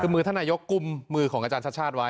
คือมือท่านนายกกุมมือของอาจารย์ชาติชาติไว้